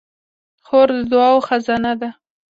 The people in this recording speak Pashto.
خور د دعاوو خزانه ده.